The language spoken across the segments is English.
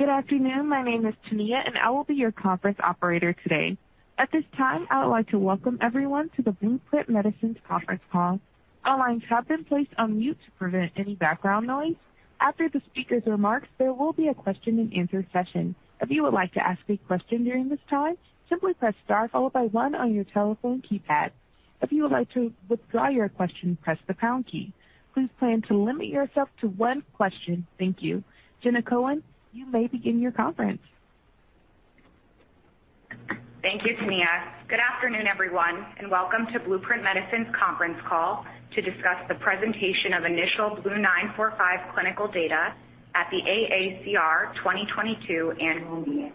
Good afternoon. My name is Tania, and I will be your conference operator today. At this time, I would like to welcome everyone to the Blueprint Medicines conference call. All lines have been placed on mute to prevent any background noise. After the speaker's remarks, there will be a question-and-answer session. If you would like to ask a question during this time, simply press star followed by one on your telephone keypad. If you would like to withdraw your question, press the pound key. Please plan to limit yourself to one question. Thank you. Jenna Cohen, you may begin your conference. Thank you, Tania. Good afternoon, everyone, and welcome to Blueprint Medicines conference call to discuss the presentation of initial BLU-945 clinical data at the AACR 2022 annual meeting.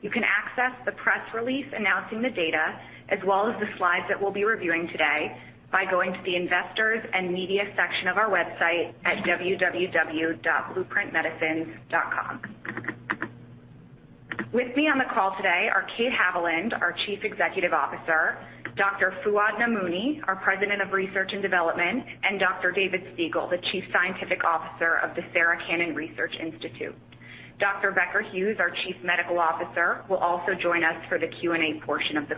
You can access the press release announcing the data as well as the slides that we'll be reviewing today by going to the Investors and Media section of our website at www.blueprintmedicines.com. With me on the call today are Kate Haviland, our Chief Executive Officer, Dr. Fouad Namouni, our President of Research and Development, and Dr. David Spigel, the Chief Scientific Officer of the Sarah Cannon Research Institute. Dr. Becker Hewes, our Chief Medical Officer, will also join us for the Q&A portion of the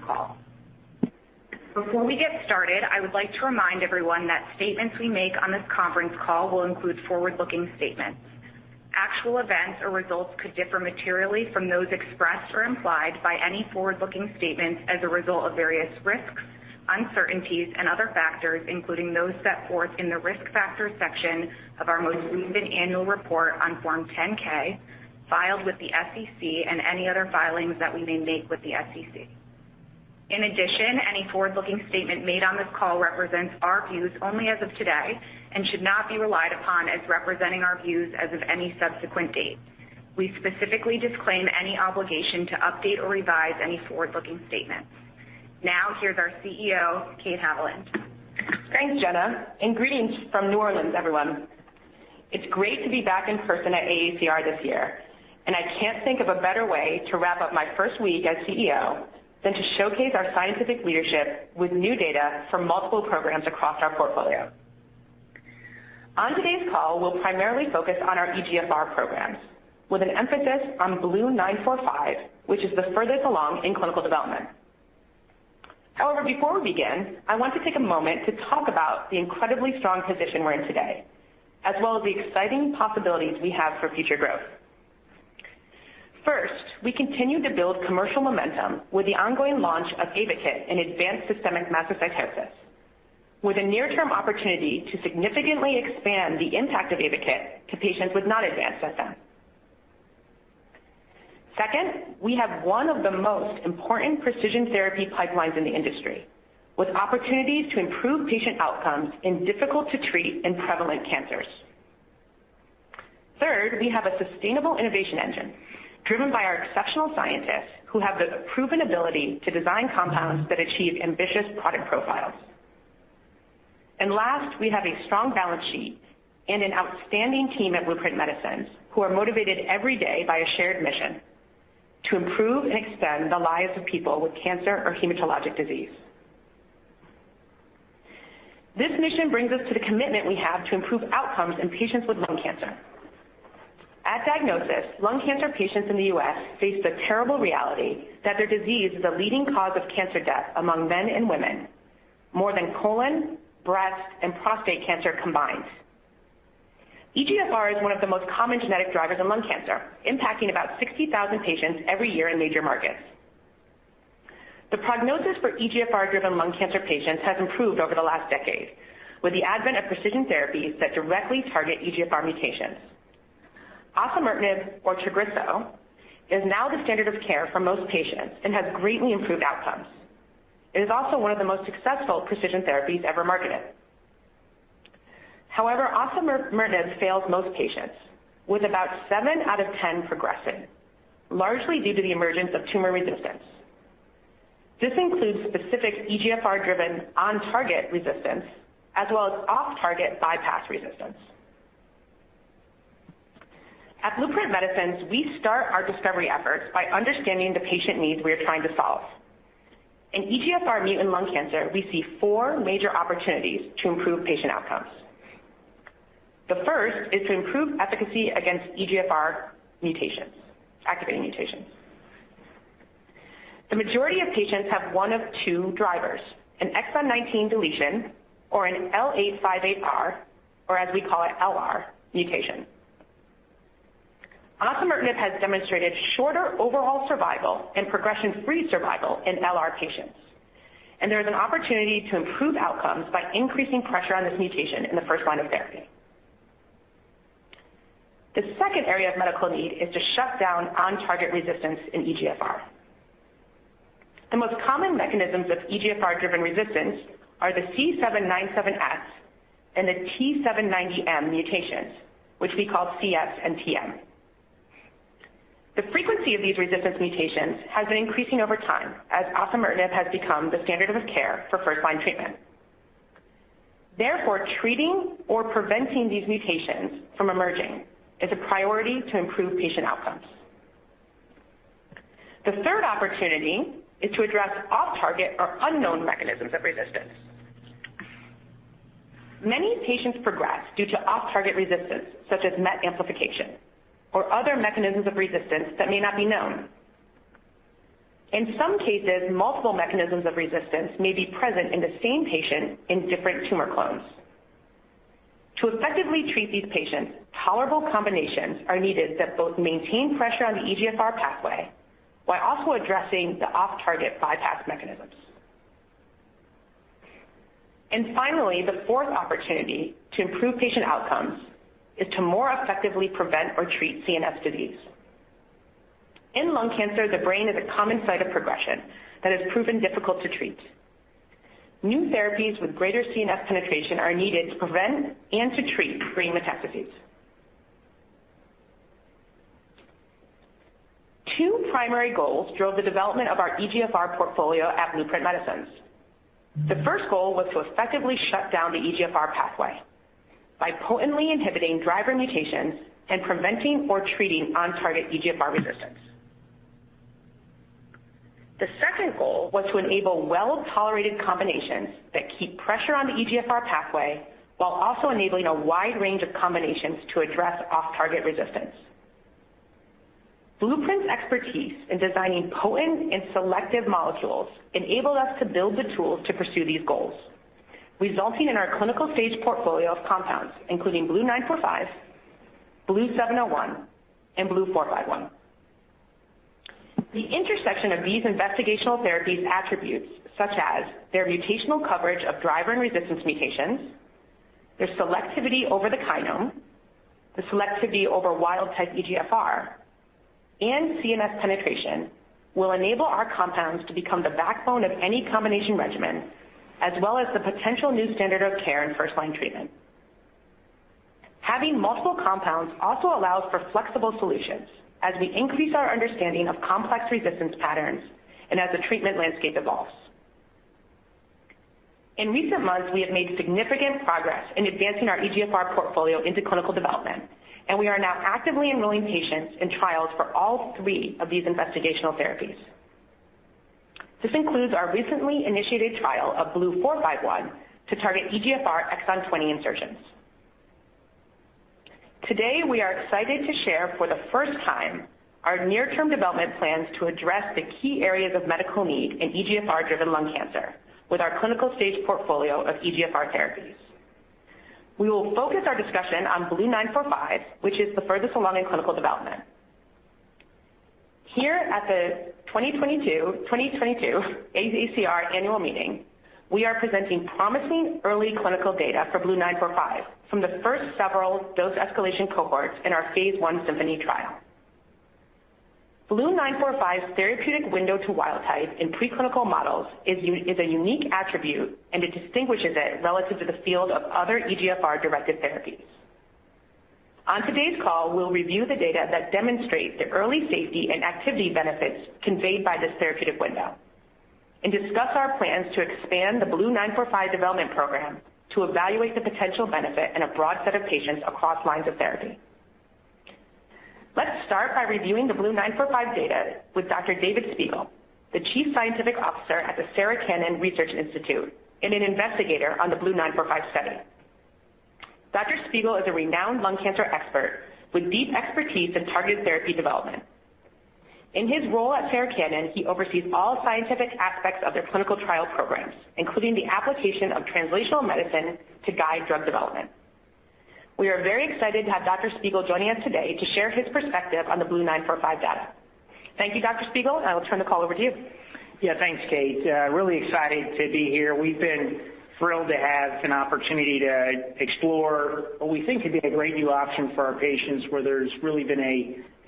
call. Before we get started, I would like to remind everyone that statements we make on this conference call will include forward-looking statements. Actual events or results could differ materially from those expressed or implied by any forward-looking statements as a result of various risks, uncertainties, and other factors, including those set forth in the Risk Factors section of our most recent annual report on Form 10-K filed with the SEC and any other filings that we may make with the SEC. In addition, any forward-looking statement made on this call represents our views only as of today and should not be relied upon as representing our views as of any subsequent date. We specifically disclaim any obligation to update or revise any forward-looking statements. Now here's our CEO, Kate Haviland. Thanks, Jenna, and greetings from New Orleans, everyone. It's great to be back in person at AACR this year, and I can't think of a better way to wrap up my first week as CEO than to showcase our scientific leadership with new data from multiple programs across our portfolio. On today's call, we'll primarily focus on our EGFR programs, with an emphasis on BLU-945, which is the furthest along in clinical development. However, before we begin, I want to take a moment to talk about the incredibly strong position we're in today, as well as the exciting possibilities we have for future growth. First, we continue to build commercial momentum with the ongoing launch of AYVAKIT in advanced systemic mastocytosis, with a near-term opportunity to significantly expand the impact of AYVAKIT to patients with non-advanced SM. Second, we have one of the most important precision therapy pipelines in the industry, with opportunities to improve patient outcomes in difficult to treat and prevalent cancers. Third, we have a sustainable innovation engine driven by our exceptional scientists who have the proven ability to design compounds that achieve ambitious product profiles. Last, we have a strong balance sheet and an outstanding team at Blueprint Medicines who are motivated every day by a shared mission to improve and extend the lives of people with cancer or hematologic disease. This mission brings us to the commitment we have to improve outcomes in patients with lung cancer. At diagnosis, lung cancer patients in the U.S. face the terrible reality that their disease is a leading cause of cancer death among men and women, more than colon, breast, and prostate cancer combined. EGFR is one of the most common genetic drivers of lung cancer, impacting about 60,000 patients every year in major markets. The prognosis for EGFR-driven lung cancer patients has improved over the last decade with the advent of precision therapies that directly target EGFR mutations. Osimertinib, or Tagrisso, is now the standard of care for most patients and has greatly improved outcomes. It is also one of the most successful precision therapies ever marketed. However, osimertinib fails most patients, with about seven out of 10 progressing, largely due to the emergence of tumor resistance. This includes specific EGFR-driven on-target resistance as well as off-target bypass resistance. At Blueprint Medicines, we start our discovery efforts by understanding the patient needs we are trying to solve. In EGFR mutant lung cancer, we see four major opportunities to improve patient outcomes. The first is to improve efficacy against EGFR mutations, activating mutations. The majority of patients have one of two drivers, an exon 19 deletion or an L858R, or as we call it, LR, mutation. Osimertinib has demonstrated shorter overall survival and progression-free survival in LR patients, and there is an opportunity to improve outcomes by increasing pressure on this mutation in the first line of therapy. The second area of medical need is to shut down on-target resistance in EGFR. The most common mechanisms of EGFR-driven resistance are the C797S and the T790M mutations, which we call CS and TM. The frequency of these resistance mutations has been increasing over time as osimertinib has become the standard of care for first-line treatment. Therefore, treating or preventing these mutations from emerging is a priority to improve patient outcomes. The third opportunity is to address off-target or unknown mechanisms of resistance. Many patients progress due to off-target resistance, such as MET amplification or other mechanisms of resistance that may not be known. In some cases, multiple mechanisms of resistance may be present in the same patient in different tumor clones. To effectively treat these patients, tolerable combinations are needed that both maintain pressure on the EGFR pathway while also addressing the off-target bypass mechanisms. Finally, the fourth opportunity to improve patient outcomes is to more effectively prevent or treat CNS disease. In lung cancer, the brain is a common site of progression that has proven difficult to treat. New therapies with greater CNS penetration are needed to prevent and to treat brain metastases. Two primary goals drove the development of our EGFR portfolio at Blueprint Medicines. The first goal was to effectively shut down the EGFR pathway by potently inhibiting driver mutations and preventing or treating on-target EGFR resistance. The second goal was to enable well-tolerated combinations that keep pressure on the EGFR pathway while also enabling a wide range of combinations to address off-target resistance. Blueprint's expertise in designing potent and selective molecules enabled us to build the tools to pursue these goals, resulting in our clinical-stage portfolio of compounds, including BLU-945, BLU-701, and BLU-451. The intersection of these investigational therapies' attributes such as their mutational coverage of driver and resistance mutations, their selectivity over the kinome, the selectivity over wild-type EGFR, and CNS penetration will enable our compounds to become the backbone of any combination regimen, as well as the potential new standard of care in first-line treatment. Having multiple compounds also allows for flexible solutions as we increase our understanding of complex resistance patterns and as the treatment landscape evolves. In recent months, we have made significant progress in advancing our EGFR portfolio into clinical development, and we are now actively enrolling patients in trials for all three of these investigational therapies. This includes our recently initiated trial of BLU-451 to target EGFR exon 20 insertions. Today, we are excited to share for the first time our near-term development plans to address the key areas of medical need in EGFR-driven lung cancer with our clinical-stage portfolio of EGFR therapies. We will focus our discussion on BLU-945, which is the furthest along in clinical development. Here at the 2022 AACR Annual Meeting, we are presenting promising early clinical data for BLU-945 from the first several dose escalation cohorts in our phase I SYMPHONY trial. BLU-945's therapeutic window to wild type in preclinical models is a unique attribute, and it distinguishes it relative to the field of other EGFR-directed therapies. On today's call, we'll review the data that demonstrate the early safety and activity benefits conveyed by this therapeutic window and discuss our plans to expand the BLU-945 development program to evaluate the potential benefit in a broad set of patients across lines of therapy. Let's start by reviewing the BLU-945 data with Dr. David Spigel, the chief scientific officer at the Sarah Cannon Research Institute and an investigator on the BLU-945 study. Dr. Spigel is a renowned lung cancer expert with deep expertise in targeted therapy development. In his role at Sarah Cannon, he oversees all scientific aspects of their clinical trial programs, including the application of translational medicine to guide drug development. We are very excited to have Dr. Spigel joining us today to share his perspective on the BLU-945 data. Thank you, Dr. Spigel. I will turn the call over to you. Yeah. Thanks, Kate. Really excited to be here. We've been thrilled to have an opportunity to explore what we think could be a great new option for our patients, where there's really been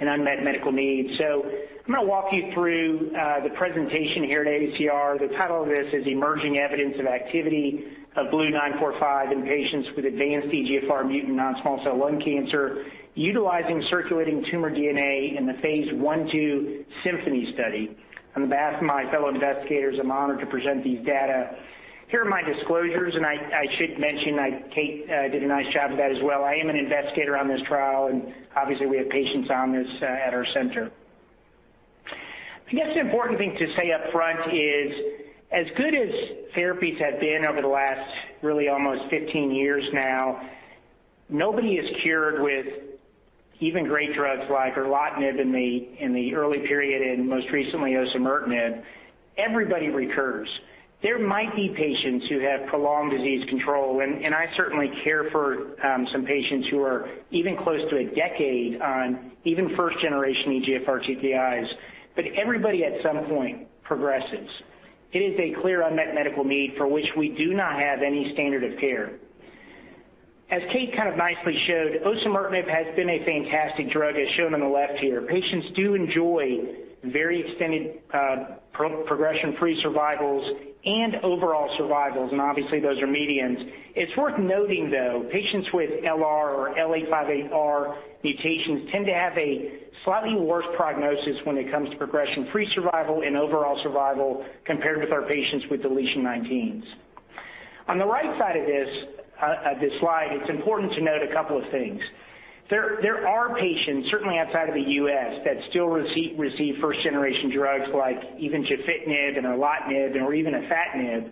an unmet medical need. I'm gonna walk you through the presentation here at AACR. The title of this is Emerging Evidence of Activity of BLU-945 in Patients with Advanced EGFR-Mutant Non-Small Cell Lung Cancer Utilizing Circulating Tumor DNA in the phase I/II SYMPHONY Study. On behalf of my fellow investigators, I'm honored to present these data. Here are my disclosures, and I should mention Kate did a nice job of that as well. I am an investigator on this trial, and obviously we have patients on this at our center. I guess the important thing to say up front is, as good as therapies have been over the last really almost 15 years now, nobody is cured with even great drugs like erlotinib in the early period and most recently osimertinib, everybody recurs. There might be patients who have prolonged disease control, and I certainly care for some patients who are even close to a decade on even first generation EGFR TKIs, but everybody at some point progresses. It is a clear unmet medical need for which we do not have any standard of care. As Kate kind of nicely showed, osimertinib has been a fantastic drug, as shown on the left here. Patients do enjoy very extended progression-free survivals and overall survivals, and obviously those are medians. It's worth noting, though, patients with LR or L858R mutations tend to have a slightly worse prognosis when it comes to progression-free survival and overall survival compared with our patients with deletion 19s. On the right side of this slide, it's important to note a couple of things. There are patients, certainly outside of the U.S., that still receive first-generation drugs like even gefitinib and erlotinib, or even afatinib.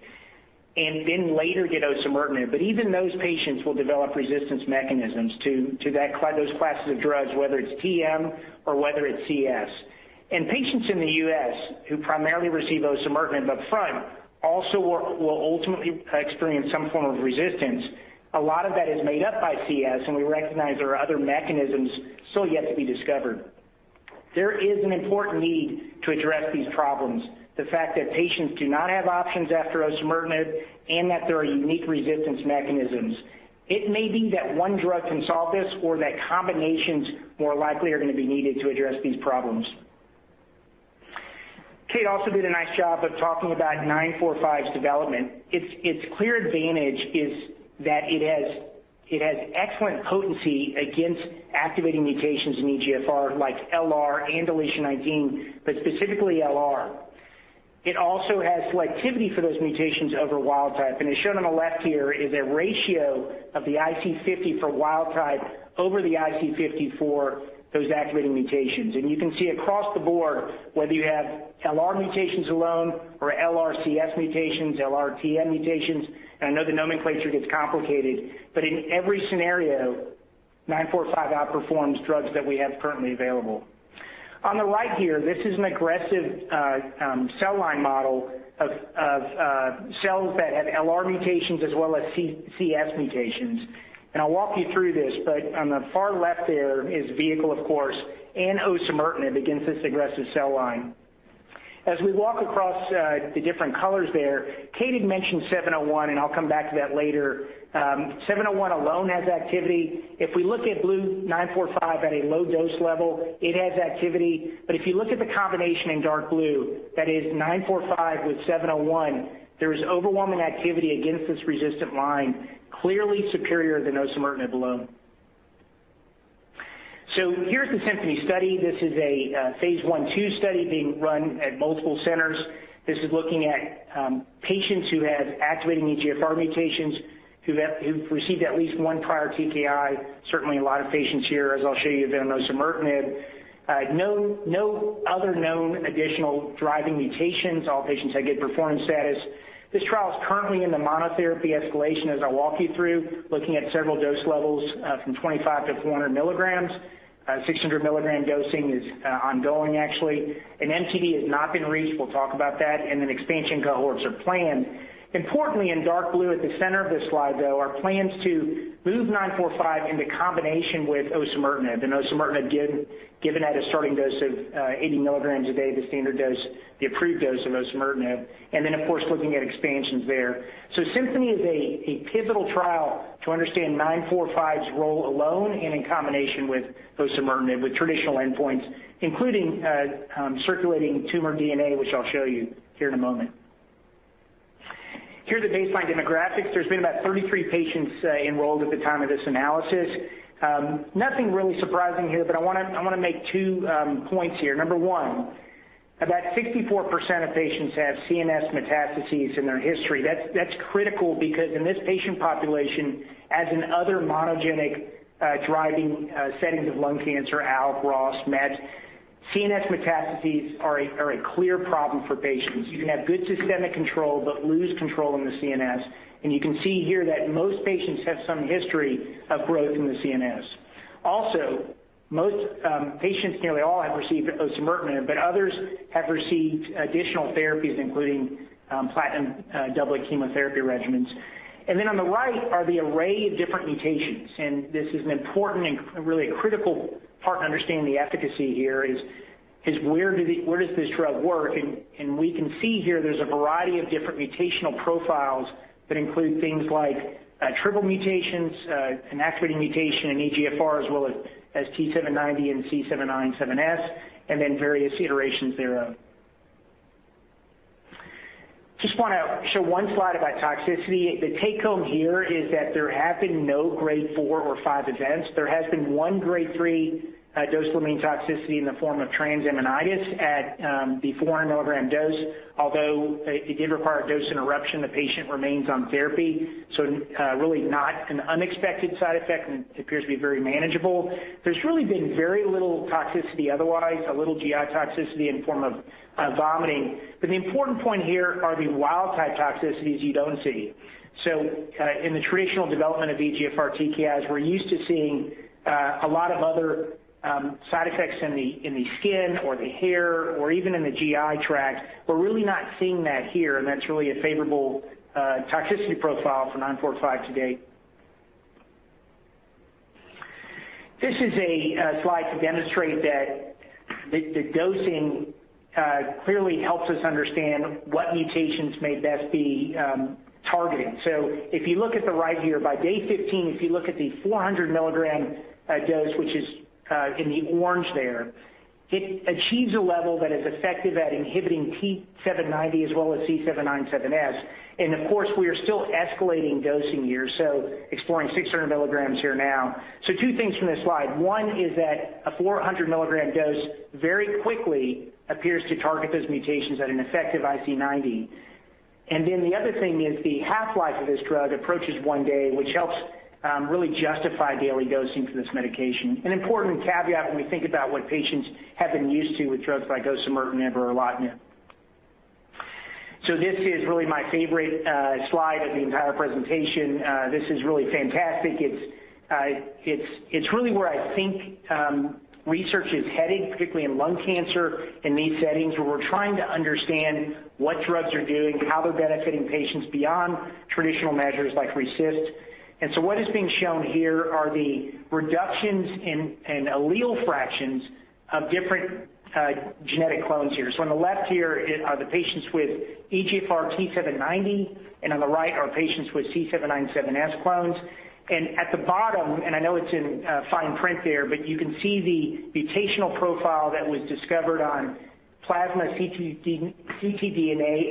Then later get osimertinib, but even those patients will develop resistance mechanisms to that class, those classes of drugs, whether it's T790M or whether it's C797S. Patients in the U.S. who primarily receive osimertinib up front also will ultimately experience some form of resistance. A lot of that is made up by C797S, and we recognize there are other mechanisms still yet to be discovered. There is an important need to address these problems, the fact that patients do not have options after osimertinib, and that there are unique resistance mechanisms. It may be that one drug can solve this, or that combinations more likely are going to be needed to address these problems. Kate also did a nice job of talking about BLU-945's development. Its clear advantage is that it has excellent potency against activating mutations in EGFR, like LR and deletion 19, but specifically LR. It also has selectivity for those mutations over wild type. As shown on the left here is a ratio of the IC50 for wild type over the IC50 for those activating mutations. You can see across the board whether you have LR mutations alone or LRCS mutations, LRTM mutations. I know the nomenclature gets complicated, but in every scenario, nine four five outperforms drugs that we have currently available. On the right here, this is an aggressive cell line model of cells that have LR mutations as well as C797S mutations. I'll walk you through this, but on the far left there is vehicle, of course, and osimertinib against this aggressive cell line. As we walk across the different colors there, Katie mentioned seven zero one, and I'll come back to that later. Seven zero one alone has activity. If we look at blue nine four five at a low dose level, it has activity. But if you look at the combination in dark blue, that is nine four five with seven zero one, there is overwhelming activity against this resistant line, clearly superior than osimertinib alone. Here's the Symphony study. This is a phase I/II study being run at multiple centers. This is looking at patients who have activating EGFR mutations, who've received at least one prior TKI. Certainly a lot of patients here, as I'll show you, have been on osimertinib. No other known additional driving mutations. All patients had good performance status. This trial is currently in the monotherapy escalation, as I'll walk you through, looking at several dose levels from 25 to 400 mg. 600 mg dosing is ongoing actually. An MTD has not been reached. We'll talk about that. Expansion cohorts are planned. Importantly, in dark blue at the center of this slide, though, are plans to move BLU-945 into combination with osimertinib. Osimertinib given at a starting dose of 80 mg a day, the standard dose, the approved dose of osimertinib. Then of course, looking at expansions there. SYMPHONY is a pivotal trial to understand BLU-945's role alone and in combination with osimertinib, with traditional endpoints, including circulating tumor DNA, which I'll show you here in a moment. Here are the baseline demographics. There's been about 33 patients enrolled at the time of this analysis. Nothing really surprising here, but I wanna make two points here. Number one, about 64% of patients have CNS metastases in their history. That's critical because in this patient population, as in other monogenic driving settings of lung cancer, ALK, ROS, MET, CNS metastases are a clear problem for patients. You can have good systemic control but lose control in the CNS. You can see here that most patients have some history of growth in the CNS. Also, most patients, nearly all have received osimertinib, but others have received additional therapies, including platinum double chemotherapy regimens. Then on the right are the array of different mutations. This is an important and really a critical part in understanding the efficacy here, where does this drug work? We can see here there's a variety of different mutational profiles that include things like triple mutations, an activating mutation in EGFR, as well as T790M and C797S, and then various iterations thereof. Just wanna show one slide about toxicity. The take home here is that there have been no grade four or five events. There has been one grade three dose limiting toxicity in the form of transaminitis at the 400 mg dose, although it did require a dose interruption, the patient remains on therapy, so really not an unexpected side effect, and it appears to be very manageable. There's really been very little toxicity otherwise, a little GI toxicity in the form of vomiting. The important point here are the wild-type toxicities you don't see. In the traditional development of EGFR TKIs, we're used to seeing a lot of other side effects in the skin or the hair or even in the GI tract. We're really not seeing that here, and that's really a favorable toxicity profile for BLU-945 to date. This is a slide to demonstrate that the dosing clearly helps us understand what mutations may best be targeted. If you look at the right here by day 15, if you look at the 400 mg dose, which is in the orange there, it achieves a level that is effective at inhibiting T790M as well as C797S. Of course, we are still escalating dosing here, so exploring 600 mg here now. Two things from this slide. One is that a 400 mg dose very quickly appears to target those mutations at an effective IC90. The other thing is the half-life of this drug approaches one day, which helps really justify daily dosing for this medication. An important caveat when we think about what patients have been used to with drugs like osimertinib or erlotinib. This is really my favorite slide of the entire presentation. This is really fantastic. It's really where I think research is headed, particularly in lung cancer in these settings, where we're trying to understand what drugs are doing, how they're benefiting patients beyond traditional measures like RECIST. What is being shown here are the reductions in allele fractions of different genetic clones here. On the left here are the patients with EGFR T790, and on the right are patients with C797S clones. At the bottom, I know it's in fine print there, but you can see the mutational profile that was discovered on plasma ctDNA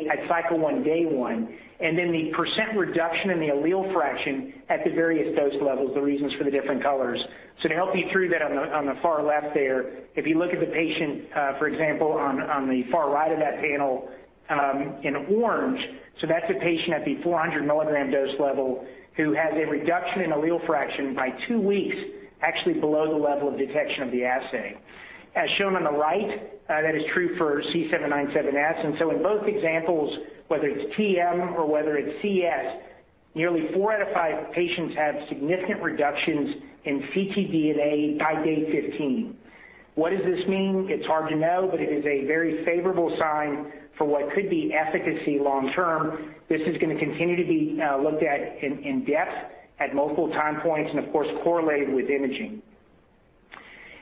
at cycle one, day one, and then the percent reduction in the allele fraction at the various dose levels, the reasons for the different colors. To help you through that on the far left there, if you look at the patient, for example, on the far right of that panel, in orange, that's a patient at the 400 mg dose level who has a reduction in allele fraction by two weeks, actually below the level of detection of the assay. As shown on the right, that is true for C797S. In both examples, whether it's TM or whether it's CS, nearly four out of five patients have significant reductions in ctDNA by day 15. What does this mean? It's hard to know, but it is a very favorable sign for what could be efficacy long term. This is gonna continue to be looked at in-depth at multiple time points and, of course, correlated with imaging.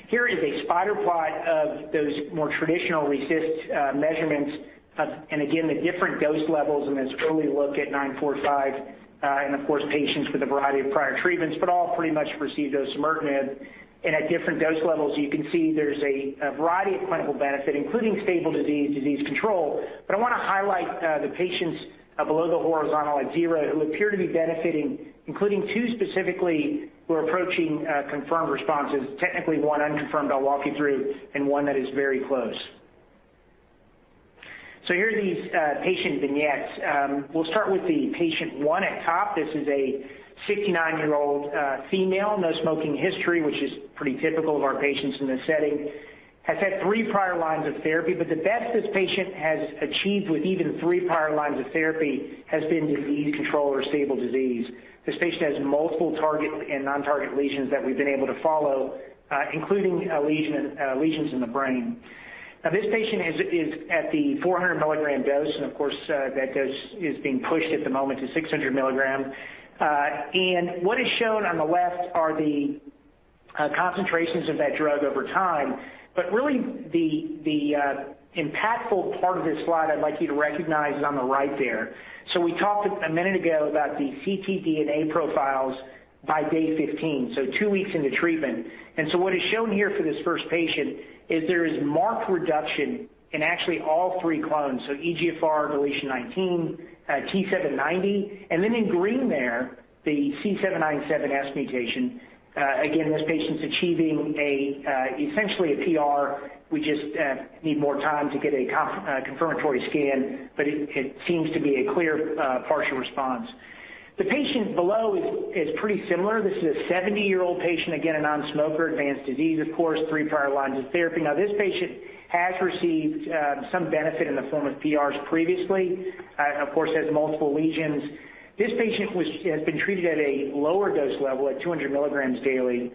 Here is a spider plot of those more traditional RECIST measurements of and again, the different dose levels in this early look at BLU-945, and of course, patients with a variety of prior treatments, but all pretty much received osimertinib. At different dose levels, you can see there's a variety of clinical benefit, including stable disease control. I want to highlight the patients below the horizontal at zero who appear to be benefiting, including two specifically who are approaching confirmed responses. Technically, one unconfirmed I'll walk you through and 1 that is very close. Here are these patient vignettes. We'll start with patient one at top. This is a 69-year-old female, no smoking history, which is pretty typical of our patients in this setting. She has had three prior lines of therapy, but the best this patient has achieved with even three prior lines of therapy has been disease control or stable disease. This patient has multiple target and non-target lesions that we've been able to follow, including lesions in the brain. Now, this patient is at the 400 mg dose, and of course, that dose is being pushed at the moment to 600 mg. What is shown on the left are the concentrations of that drug over time. Really, the impactful part of this slide I'd like you to recognize is on the right there. We talked a minute ago about the ctDNA profiles by day 15, so two weeks into treatment. What is shown here for this first patient is there is marked reduction in actually all three clones, so EGFR deletion 19, T790, and then in green there, the C797S mutation. Again, this patient's achieving essentially a PR. We just need more time to get a confirmatory scan, but it seems to be a clear partial response. The patient below is pretty similar. This is a 70-year-old patient, again, a non-smoker, advanced disease, of course, three prior lines of therapy. Now, this patient has received some benefit in the form of PRs previously, of course, has multiple lesions. This patient has been treated at a lower dose level at 200 mg daily.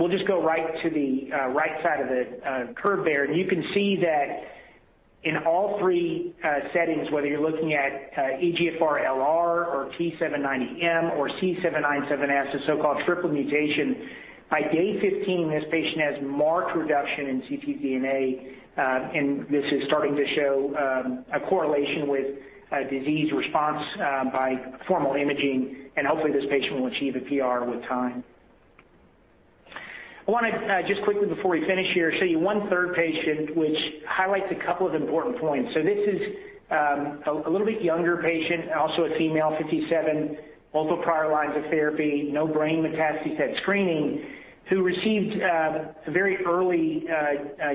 We'll just go right to the right side of the curve there. You can see that in all three settings, whether you're looking at EGFR LR or T790M or C797S, the so-called triple mutation, by day 15, this patient has marked reduction in ctDNA, and this is starting to show a correlation with disease response by formal imaging, and hopefully, this patient will achieve a PR with time. I wanna just quickly before we finish here, show you 1/3 patient, which highlights a couple of important points. This is a little bit younger patient, also a female, 57, multiple prior lines of therapy, no brain metastases at screening, who received a very early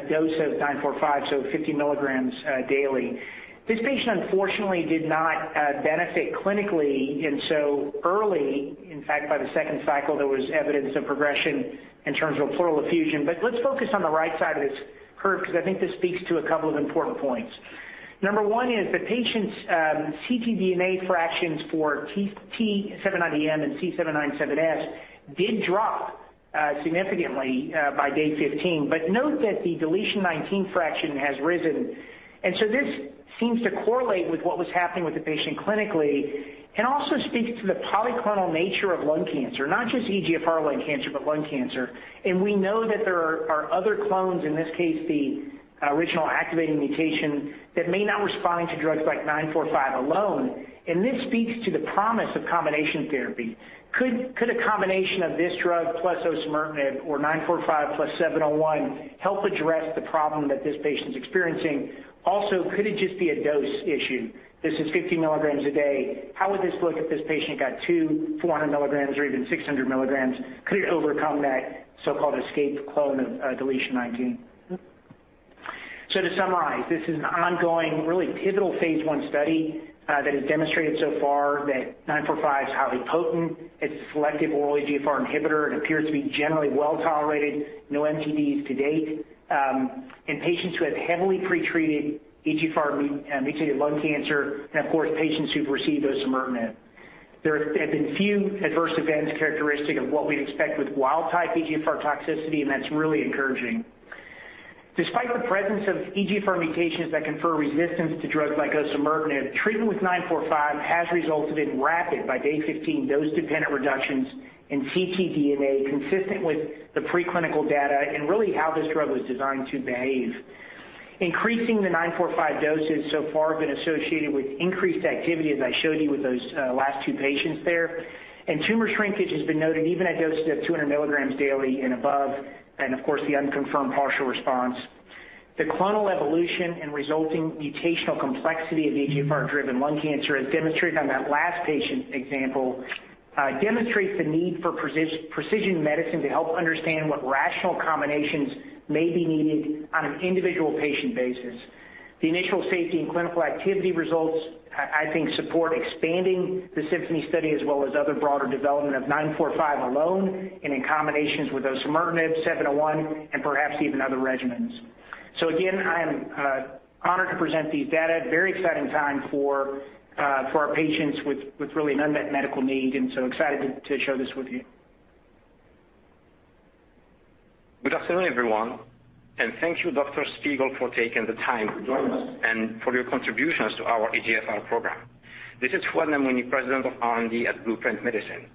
dose of BLU-945, so 50 mg daily. This patient, unfortunately, did not benefit clinically and so early. In fact, by the second cycle, there was evidence of progression in terms of pleural effusion. Let's focus on the right side of this curve because I think this speaks to a couple of important points. Number one is the patient's ctDNA fractions for T790M and C797S did drop significantly by day 15. Note that the exon 19 deletion fraction has risen. This seems to correlate with what was happening with the patient clinically and also speaks to the polyclonal nature of lung cancer, not just EGFR lung cancer, but lung cancer. We know that there are other clones, in this case, the original activating mutation that may not respond to drugs like BLU-945 alone. This speaks to the promise of combination therapy. Could a combination of this drug plus osimertinib or BLU-945 plus BLU-701 help address the problem that this patient's experiencing? Also, could it just be a dose issue? This is 50 milligrams a day. How would this look if this patient got 240 mg or even 600 mg? Could it overcome that so-called escaped clone of deletion 19? To summarize, this is an ongoing, really pivotal phase I study that has demonstrated so far that BLU-945 is highly potent. It's a selective oral EGFR inhibitor. It appears to be generally well-tolerated, no MTDs to date, in patients who have heavily pretreated EGFR-mutated lung cancer and, of course, patients who've received osimertinib. There have been few adverse events characteristic of what we'd expect with wild-type EGFR toxicity, and that's really encouraging. Despite the presence of EGFR mutations that confer resistance to drugs like osimertinib, treatment with BLU-945 has resulted in rapid, by day 15, dose-dependent reductions in ctDNA consistent with the preclinical data and really how this drug was designed to behave. Increasing the BLU-945 doses so far have been associated with increased activity, as I showed you with those last two patients there. Tumor shrinkage has been noted even at doses of 200 mg daily and above, and of course, the unconfirmed partial response. The clonal evolution and resulting mutational complexity of EGFR-driven lung cancer, as demonstrated on that last patient example, demonstrates the need for precision medicine to help understand what rational combinations may be needed on an individual patient basis. The initial safety and clinical activity results I think support expanding the SYMPHONY study as well as other broader development of BLU-945 alone and in combinations with osimertinib, BLU-701, and perhaps even other regimens. I am honored to present these data. Very exciting time for our patients with really an unmet medical need, and excited to share this with you. Good afternoon, everyone, and thank you, Dr. Spigel, for taking the time to join us and for your contributions to our EGFR program. This is Fouad Namouni, President of R&D at Blueprint Medicines.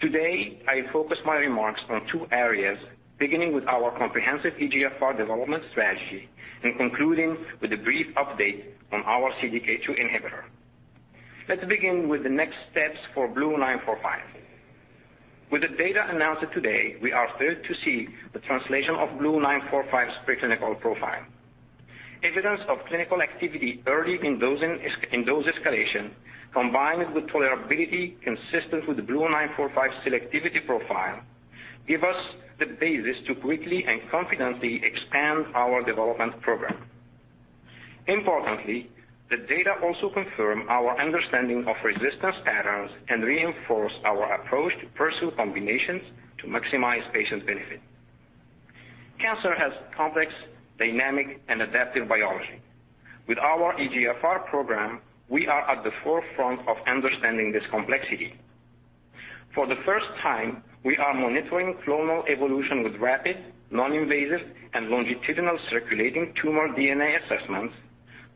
Today, I focus my remarks on two areas, beginning with our comprehensive EGFR development strategy and concluding with a brief update on our CDK2 inhibitor. Let's begin with the next steps for BLU-945. With the data announced today, we are thrilled to see the translation of BLU-945's preclinical profile. Evidence of clinical activity early in dosing in dose escalation, combined with tolerability consistent with the BLU-945 selectivity profile, give us the basis to quickly and confidently expand our development program. Importantly, the data also confirm our understanding of resistance patterns and reinforce our approach to pursue combinations to maximize patient benefit. Cancer has complex dynamic and adaptive biology. With our EGFR program, we are at the forefront of understanding this complexity. For the first time, we are monitoring clonal evolution with rapid, non-invasive, and longitudinal circulating tumor DNA assessments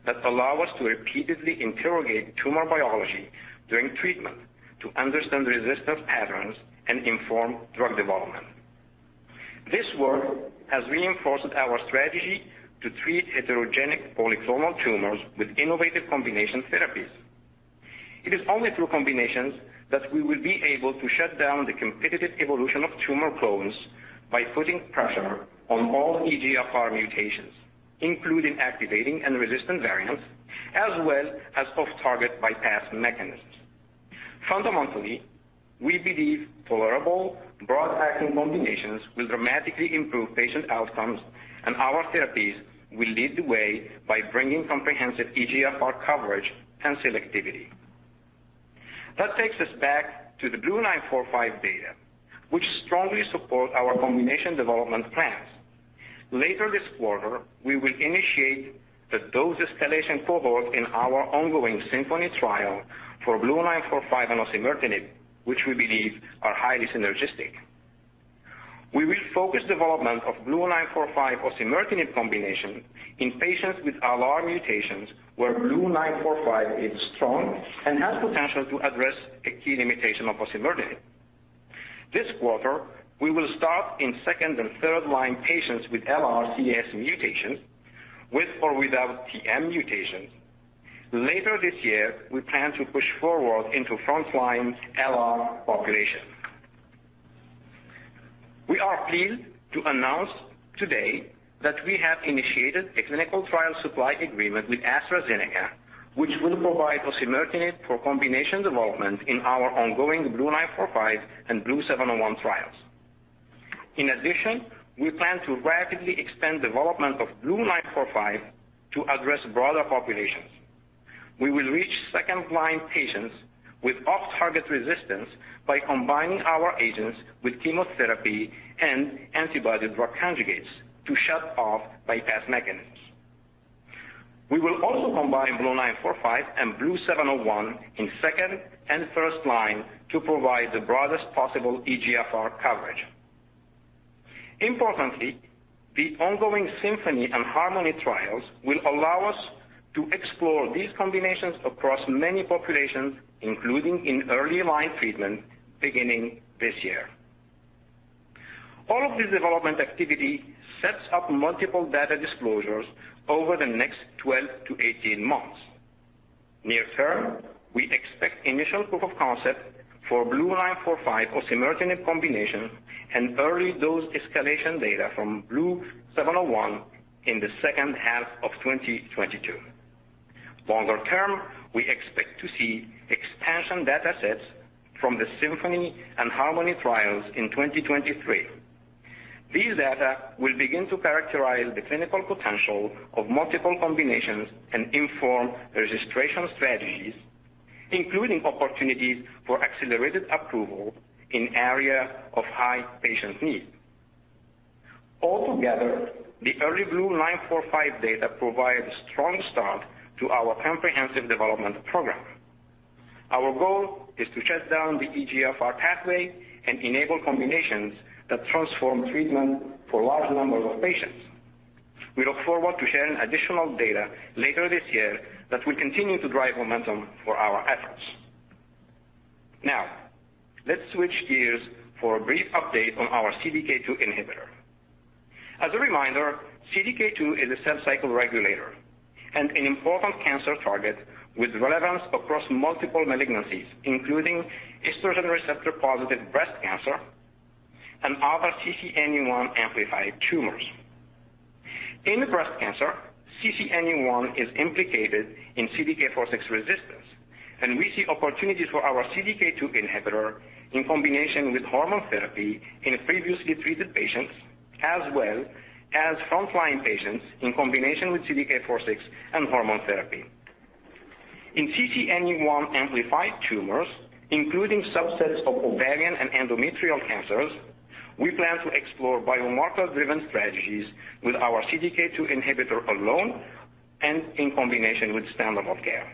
that allow us to repeatedly interrogate tumor biology during treatment to understand resistance patterns and inform drug development. This work has reinforced our strategy to treat heterogenic polyclonal tumors with innovative combination therapies. It is only through combinations that we will be able to shut down the competitive evolution of tumor clones by putting pressure on all EGFR mutations, including activating and resistant variants, as well as off-target bypass mechanisms. Fundamentally, we believe tolerable broad-acting combinations will dramatically improve patient outcomes, and our therapies will lead the way by bringing comprehensive EGFR coverage and selectivity. That takes us back to the BLU-945 data, which strongly support our combination development plans. Later this quarter, we will initiate the dose escalation cohort in our ongoing SYMPHONY trial for BLU-945 and osimertinib, which we believe are highly synergistic. We will focus development of BLU-945 osimertinib combination in patients with LR mutations where BLU-945 is strong and has potential to address a key limitation of osimertinib. This quarter, we will start in second and third line patients with LRCS mutations, with or without TM mutations. Later this year, we plan to push forward into front-line LR population. We are pleased to announce today that we have initiated a clinical trial supply agreement with AstraZeneca, which will provide osimertinib for combination development in our ongoing BLU-945 and BLU-701 trials. In addition, we plan to rapidly extend development of BLU-945 to address broader populations. We will reach second-line patients with off-target resistance by combining our agents with chemotherapy and antibody drug conjugates to shut off bypass mechanisms. We will also combine BLU-945 and BLU-701 in second and first line to provide the broadest possible EGFR coverage. Importantly, the ongoing SYMPHONY and HARMONY trials will allow us to explore these combinations across many populations, including in early line treatment beginning this year. All of this development activity sets up multiple data disclosures over the next 12-18 months. Near term, we expect initial proof of concept for BLU-945 osimertinib combination and early dose escalation data from BLU-701 in the H2 of 2022. Longer term, we expect to see expansion data sets from the SYMPHONY and HARMONY trials in 2023. These data will begin to characterize the clinical potential of multiple combinations and inform registration strategies, including opportunities for accelerated approval in area of high patient need. Altogether, the early BLU-945 data provides strong start to our comprehensive development program. Our goal is to shut down the EGFR pathway and enable combinations that transform treatment for large number of patients. We look forward to sharing additional data later this year that will continue to drive momentum for our efforts. Now, let's switch gears for a brief update on our CDK2 inhibitor. As a reminder, CDK2 is a cell cycle regulator and an important cancer target with relevance across multiple malignancies, including estrogen receptor-positive breast cancer and other CCNE1-amplified tumors. In breast cancer, CCNE1 is implicated in CDK4/6 resistance, and we see opportunities for our CDK2 inhibitor in combination with hormone therapy in previously treated patients, as well as front-line patients in combination with CDK4/6 and hormone therapy. In CCNE1-amplified tumors, including subsets of ovarian and endometrial cancers, we plan to explore biomarker-driven strategies with our CDK2 inhibitor alone and in combination with standard of care.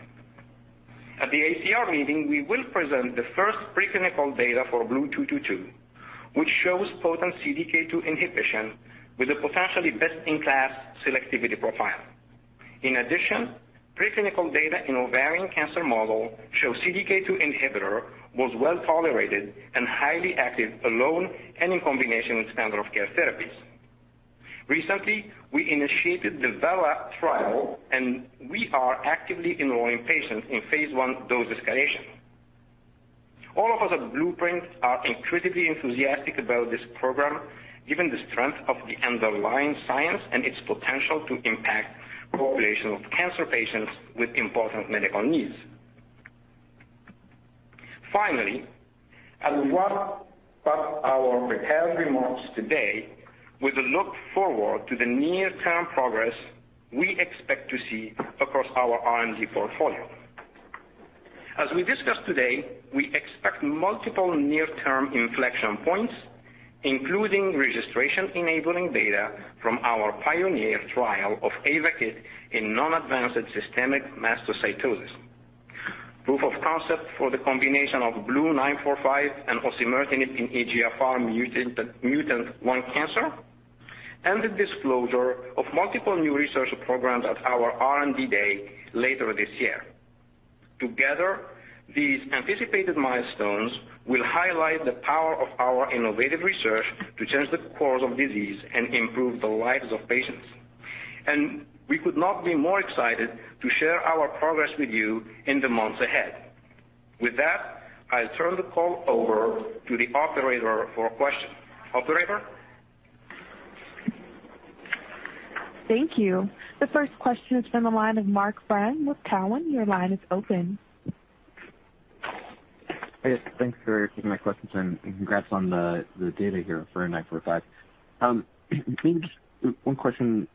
At the AACR meeting, we will present the first preclinical data for BLU-222, which shows potent CDK2 inhibition with a potentially best-in-class selectivity profile. In addition, preclinical data in ovarian cancer model show CDK2 inhibitor was well-tolerated and highly active alone and in combination with standard of care therapies. Recently, we initiated the VELA trial, and we are actively enrolling patients in phase I dose escalation. All of us at Blueprint are incredibly enthusiastic about this program, given the strength of the underlying science and its potential to impact population of cancer patients with important medical needs. Finally, I will wrap up our prepared remarks today with a look forward to the near-term progress we expect to see across our R&D portfolio. We discussed today we expect multiple near-term inflection points, including registration-enabling data from our PIONEER trial of avapritinib in non-advanced systemic mastocytosis, proof of concept for the combination of BLU-945 and osimertinib in EGFR-mutant NSCLC, and the disclosure of multiple new research programs at our R&D Day later this year. Together, these anticipated milestones will highlight the power of our innovative research to change the course of disease and improve the lives of patients. We could not be more excited to share our progress with you in the months ahead. With that, I'll turn the call over to the operator for questions. Operator? Thank you. The first question is from the line of Mark Brunn with Cowen. Your line is open. Thanks for taking my questions, and congrats on the data here for BLU-945. Maybe just one question.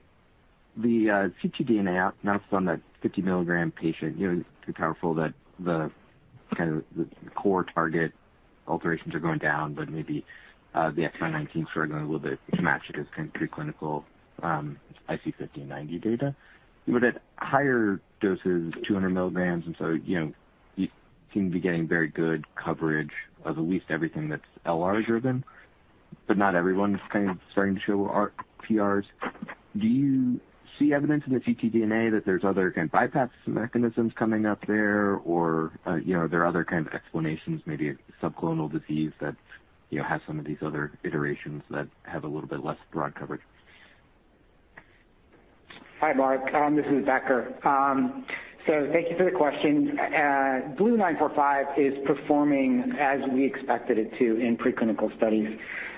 The ctDNA announced on that 50 mg patient, you know, pretty powerful that the core target alterations are going down, but maybe the exon 19 struggling a little bit to match it as kind of preclinical IC50/IC90 data. At higher doses, 200 mg and so, you know, you seem to be getting very good coverage of at least everything that's L858R-driven, but not everyone's kind of starting to show PRs. Do you see evidence in the ctDNA that there's other, again, bypass mechanisms coming up there? You know, are there other kinds of explanations, maybe a subclonal disease that's, you know, has some of these other iterations that have a little bit less broad coverage? Hi, Mark. This is Becker. Thank you for the question. BLU-945 is performing as we expected it to in preclinical studies.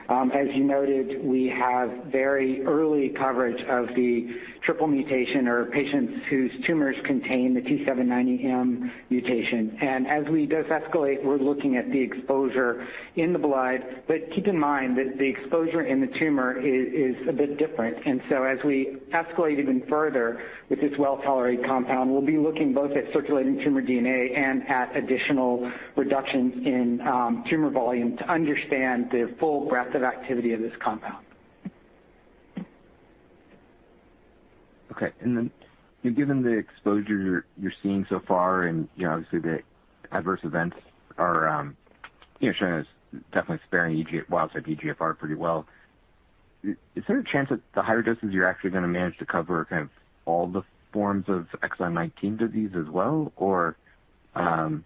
As you noted, we have very early coverage of the triple mutation or patients whose tumors contain the T790M mutation. As we dose escalate, we're looking at the exposure in the blood. Keep in mind that the exposure in the tumor is a bit different. As we escalate even further with this well-tolerated compound, we'll be looking both at circulating tumor DNA and at additional reductions in tumor volume to understand the full breadth of activity of this compound. Okay. Then, you know, given the exposure you're seeing so far and, you know, obviously the adverse events are, you know, showing it's definitely sparing EGFR wild-type pretty well. Is there a chance that the higher doses you're actually gonna manage to cover kind of all the forms of exon 19 disease as well? Or, you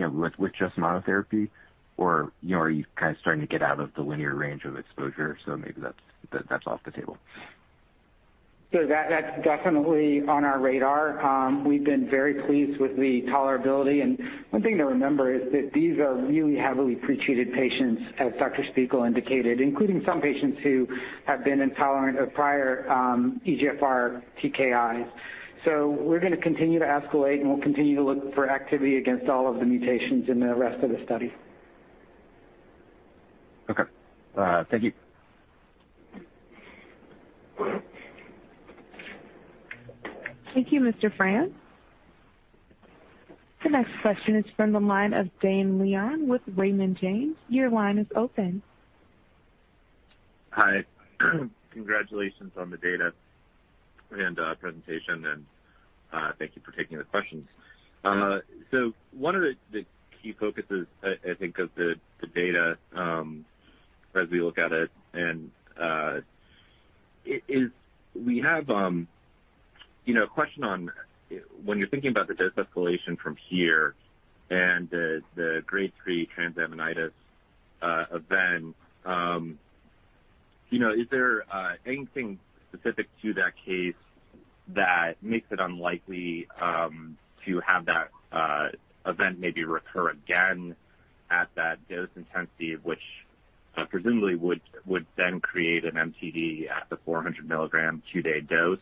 know, with just monotherapy? Or, you know, are you kind of starting to get out of the linear range of exposure, so maybe that's off the table? That, that's definitely on our radar. We've been very pleased with the tolerability. One thing to remember is that these are really heavily pretreated patients, as Dr. Spigel indicated, including some patients who have been intolerant of prior EGFR TKIs. We're gonna continue to escalate, and we'll continue to look for activity against all of the mutations in the rest of the study. Okay. Thank you. Thank you, Brunn. The next question is from the line of Dane Leone with Raymond James. Your line is open. Hi. Congratulations on the data and presentation, and thank you for taking the questions. One of the key focuses I think of the data as we look at it and we have you know a question on when you're thinking about the dose escalation from here and the grade three transaminitis event you know is there anything specific to that case that makes it unlikely to have that event maybe recur again at that dose intensity which presumably would then create an MTD at the 400 mg two-day dose?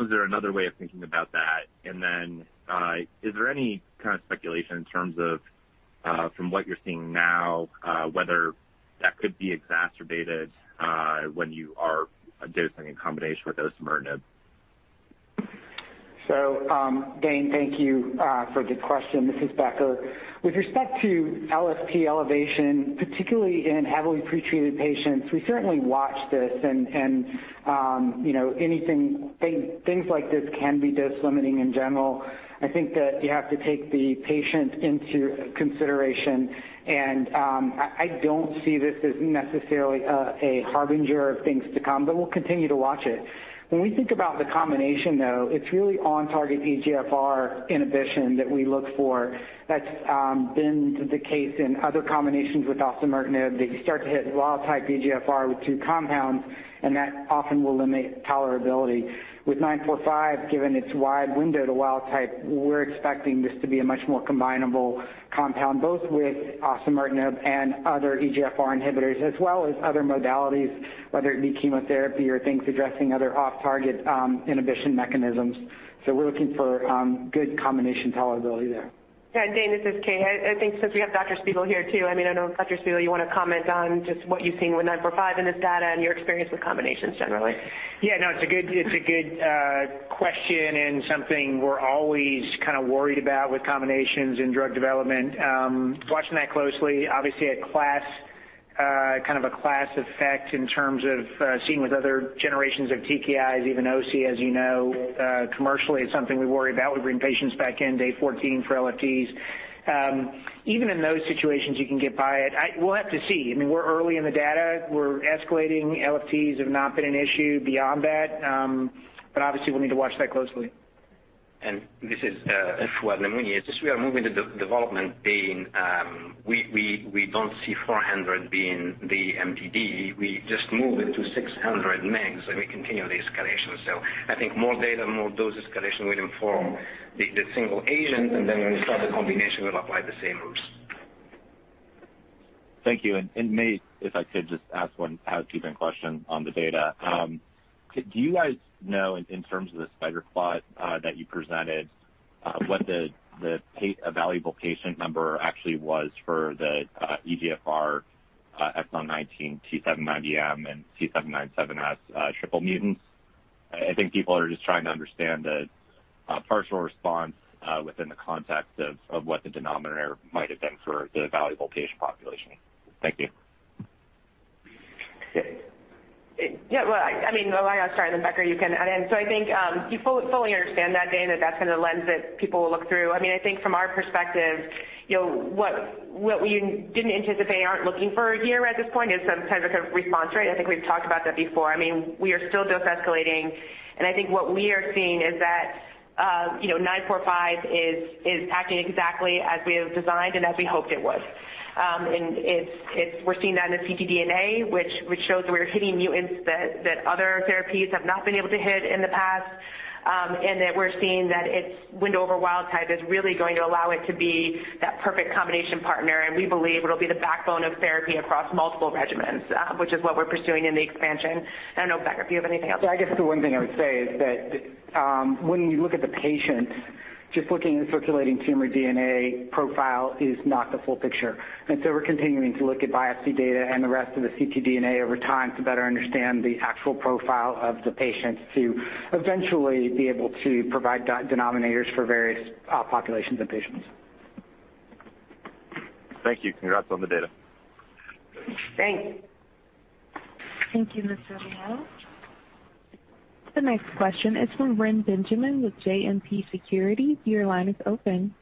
Is there another way of thinking about that? Is there any kind of speculation in terms of, from what you're seeing now, whether that could be exacerbated, when you are dosing in combination with osimertinib? Dane, thank you for the question. This is Becker. With respect to LFT elevation, particularly in heavily pretreated patients, we certainly watch this and you know, things like this can be dose limiting in general. I think that you have to take the patient into consideration and I don't see this as necessarily a harbinger of things to come, but we'll continue to watch it. When we think about the combination, though, it's really on-target EGFR inhibition that we look for. That's been the case in other combinations with osimertinib that you start to hit wild type EGFR with two compounds, and that often will limit tolerability. With BLU-945, given its wide window to wild type, we're expecting this to be a much more combinable compound, both with osimertinib and other EGFR inhibitors, as well as other modalities, whether it be chemotherapy or things addressing other off-target inhibition mechanisms. We're looking for good combination tolerability there. Yeah, Dane, this is Kate. I think since we have Dr. Spigel here too, I mean, I know Dr. Spigel, you want to comment on just what you're seeing with BLU-945 in this data and your experience with combinations generally. Yeah, no, it's a good question and something we're always kind of worried about with combinations in drug development. Watching that closely, obviously a class effect in terms of seeing with other generations of TKIs, even osimertinib as you know, commercially, it's something we worry about. We bring patients back in day 14 for LFTs. Even in those situations, you can get by it. We'll have to see. I mean, we're early in the data. We're escalating. LFTs have not been an issue beyond that. But obviously we'll need to watch that closely. This is Fouad Namouni. As we are moving the development, Dane, we don't see 400 being the MTD. We just move it to 600 mg, and we continue the escalation. I think more data, more dose escalation will inform the single agent, and then when we start the combination, we'll apply the same rules. Thank you. If I could just ask one housekeeping question on the data. Do you guys know in terms of the spider plot that you presented what the evaluable patient number actually was for the EGFR exon 19 T790M and C797S triple mutants? I think people are just trying to understand the partial response within the context of what the denominator might have been for the evaluable patient population. Thank you. Yeah. Well, I mean, I'm sorry, then Becker, you can add in. I think you fully understand that, Dane, that's kind of the lens that people will look through. I mean, I think from our perspective, you know, what we didn't anticipate or aren't looking for here at this point is some type of response rate. I think we've talked about that before. I mean, we are still dose escalating, and I think what we are seeing is that, you know, BLU-945 is acting exactly as we have designed and as we hoped it would. It's that we're seeing that in the ctDNA, which shows we're hitting mutants that other therapies have not been able to hit in the past, and that we're seeing that its window over wild type is really going to allow it to be that perfect combination partner. We believe it'll be the backbone of therapy across multiple regimens, which is what we're pursuing in the expansion. I don't know, Becker, if you have anything else. Yeah, I guess the one thing I would say is that when you look at the patient, just looking at circulating tumor DNA profile is not the full picture. We're continuing to look at biopsy data and the rest of the ctDNA over time to better understand the actual profile of the patient to eventually be able to provide denominators for various populations of patients. Thank you. Congrats on the data. Thanks. Thank you, Mr. Leone. The next question is from Reni Benjamin with JMP Securities. Your line is open.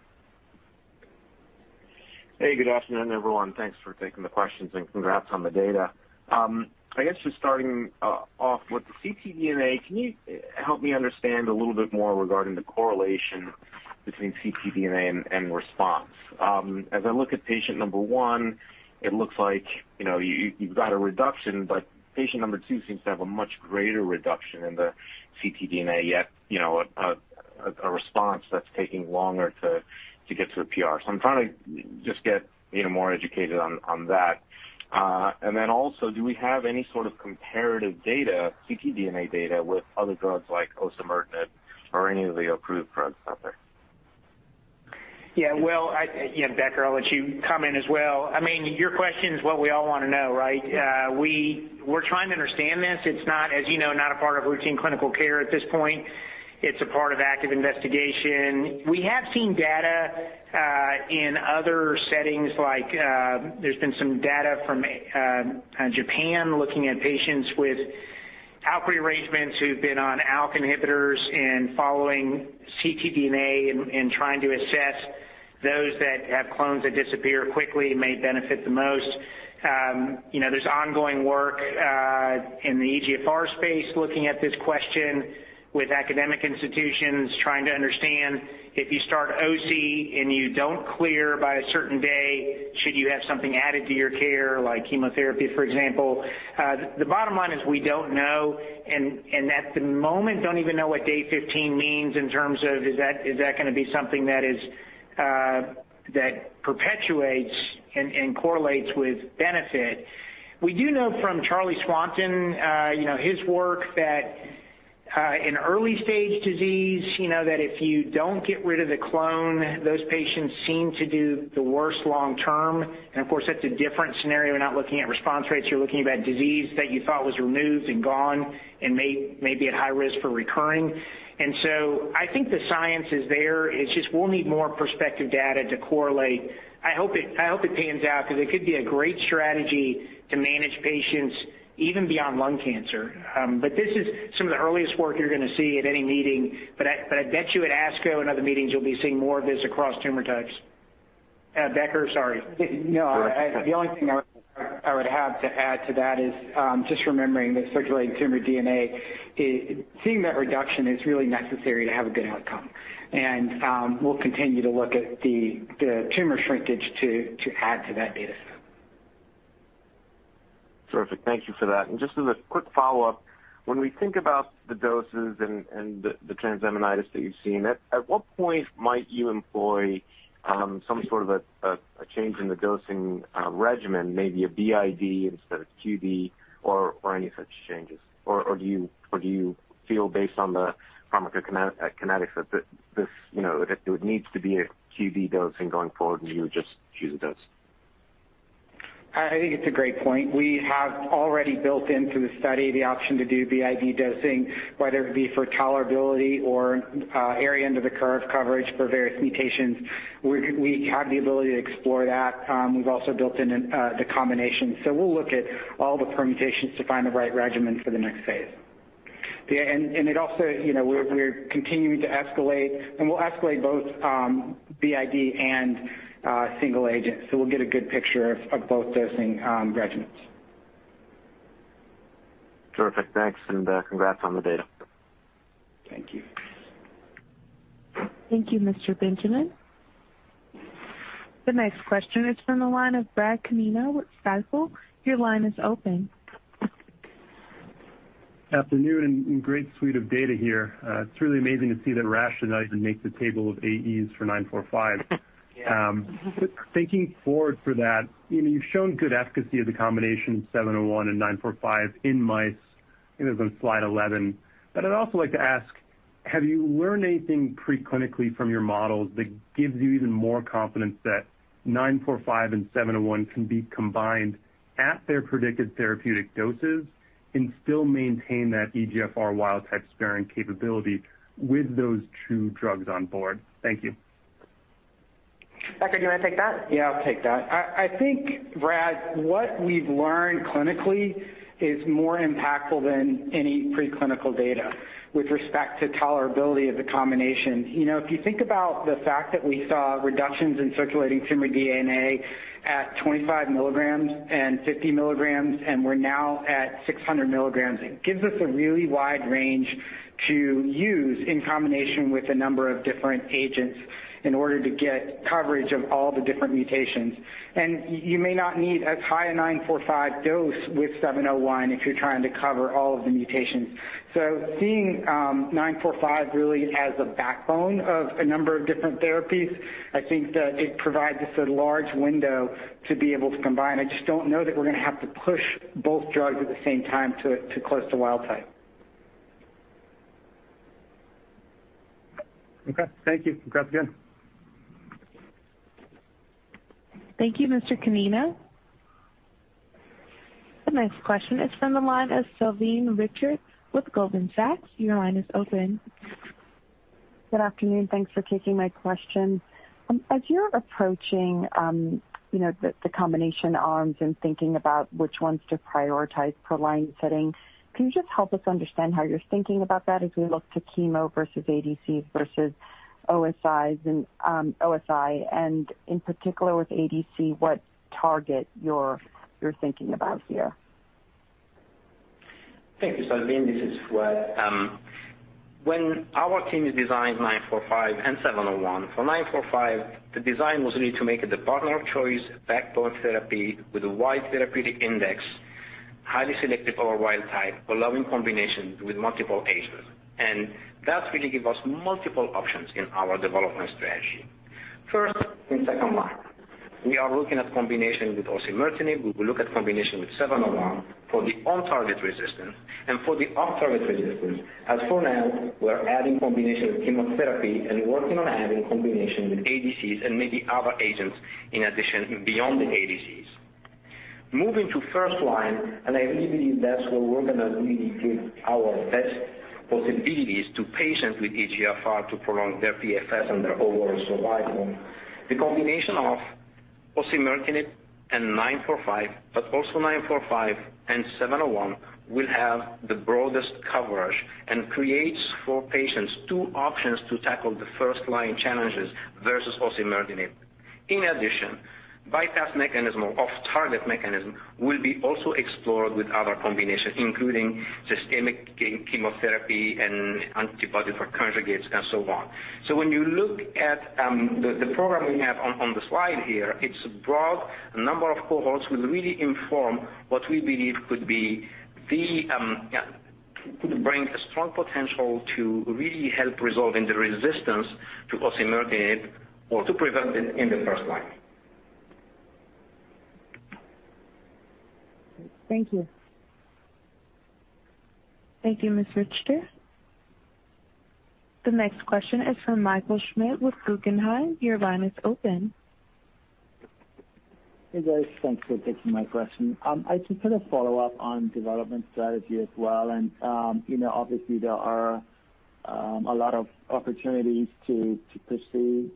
Hey, good afternoon, everyone. Thanks for taking the questions and congrats on the data. I guess just starting off with the ctDNA, can you help me understand a little bit more regarding the correlation between ctDNA and response? As I look at patient number one, it looks like, you know, you've got a reduction, but patient number two seems to have a much greater reduction in the ctDNA, yet, you know, a response that's taking longer to get to the PR. I'm trying to just get, you know, more educated on that. And then also, do we have any sort of comparative data, ctDNA data with other drugs like osimertinib or any of the approved drugs out there? Yeah. Well, yeah, Becker, I'll let you comment as well. I mean, your question is what we all wanna know, right? We're trying to understand this. It's not, as you know, a part of routine clinical care at this point. It's a part of active investigation. We have seen data in other settings, like, there's been some data from Japan looking at patients with ALK rearrangements who've been on ALK inhibitors and following ctDNA and trying to assess those that have clones that disappear quickly may benefit the most. You know, there's ongoing work in the EGFR space looking at this question with academic institutions trying to understand if you start OC and you don't clear by a certain day, should you have something added to your care, like chemotherapy, for example. The bottom line is we don't know and at the moment, don't even know what day 15 means in terms of is that gonna be something that perpetuates and correlates with benefit. We do know from Charles Swanton, you know, his work that in early-stage disease, you know that if you don't get rid of the clone, those patients seem to do the worst long-term. Of course, that's a different scenario. We're not looking at response rates. You're looking at disease that you thought was removed and gone and may be at high risk for recurring. I think the science is there. It's just we'll need more prospective data to correlate. I hope it pans out because it could be a great strategy to manage patients even beyond lung cancer. This is some of the earliest work you're gonna see at any meeting. I bet you at ASCO and other meetings you'll be seeing more of this across tumor types. Becker, sorry. No, the only thing I would have to add to that is just remembering that circulating tumor DNA seeing that reduction is really necessary to have a good outcome. We'll continue to look at the tumor shrinkage to add to that data set. Terrific. Thank you for that. Just as a quick follow-up, when we think about the doses and the transaminitis that you've seen, at what point might you employ some sort of a change in the dosing regimen, maybe a BID instead of QD or any such changes? Or do you feel based on the pharmacokinetics that this, you know, it needs to be a QD dosing going forward, and you would just choose a dose? I think it's a great point. We have already built into the study the option to do BID dosing, whether it be for tolerability or area under the curve coverage for various mutations. We have the ability to explore that. We've also built in the combination. We'll look at all the permutations to find the right regimen for the next phase. Yeah. It also, you know, we're continuing to escalate, and we'll escalate both BID and single agent. We'll get a good picture of both dosing regimens. Terrific. Thanks, and congrats on the data. Thank you. Thank you, Mr. Benjamin. The next question is from the line of Brad Canino with Stifel. Your line is open. Afternoon, great suite of data here. It's really amazing to see that rationale behind and make the table of AEs for BLU-945. Yeah. Thinking forward for that, you know, you've shown good efficacy of the combination 701 and 945 in mice, and it was on slide 11. I'd also like to ask, have you learned anything pre-clinically from your models that gives you even more confidence that 945 and 701 can be combined at their predicted therapeutic doses and still maintain that EGFR wild-type sparing capability with those two drugs on board? Thank you. Becker, do you wanna take that? Yeah, I'll take that. I think, Brad, what we've learned clinically is more impactful than any pre-clinical data with respect to tolerability of the combination. You know, if you think about the fact that we saw reductions in circulating tumor DNA at 25 mg and 50 mg, and we're now at 600 mg, it gives us a really wide range to use in combination with a number of different agents in order to get coverage of all the different mutations. You may not need as high a 945 dose with 701 if you're trying to cover all of the mutations. Seeing 945 really as a backbone of a number of different therapies, I think that it provides us a large window to be able to combine. I just don't know that we're gonna have to push both drugs at the same time to close the wild type. Okay. Thank you. Congrats again. Thank you, Mr. Canino. The next question is from the line of Salveen Richter with Goldman Sachs. Your line is open. Good afternoon. Thanks for taking my question. As you're approaching the combination arms and thinking about which ones to prioritize per line setting, can you just help us understand how you're thinking about that as we look to chemo versus ADCs versus OSIs and osimertinib, and in particular with ADC, what target you're thinking about here? Thank you. Salveen, this is Fouad. When our team designed BLU-945 and BLU-701, for BLU-945, the design was really to make it the partner of choice backbone therapy with a wide therapeutic index, highly selective for a wild type, allowing combinations with multiple agents. That really give us multiple options in our development strategy. First and second one. We are looking at combination with osimertinib. We will look at combination with 701 for the on-target resistance. For the off-target resistance, as for now, we're adding combination with chemotherapy and working on adding combination with ADCs and maybe other agents in addition beyond the ADCs. Moving to first line, I really believe that's where we're going to really give our best possibilities to patients with EGFR to prolong their PFS and their overall survival. The combination of osimertinib and 945, but also 945 and 701 will have the broadest coverage and creates for patients two options to tackle the first line challenges versus osimertinib. In addition, bypass mechanism or off-target mechanism will be also explored with other combinations, including systemic chemotherapy and antibody-drug conjugates and so on. When you look at the program we have on the slide here, it's broad. A number of cohorts will really inform what we believe could bring a strong potential to really help resolving the resistance to osimertinib or to prevent it in the first line. Thank you. Thank you, Ms. Richter. The next question is from Michael Schmidt with Guggenheim. Your line is open. Hey, guys. Thanks for taking my question. I just had a follow-up on development strategy as well. You know, obviously there are a lot of opportunities to pursue